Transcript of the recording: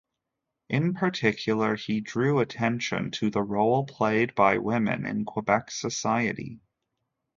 In particular, he drew attention to the role played by women in Quebec society.